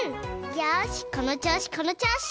よしこのちょうしこのちょうし！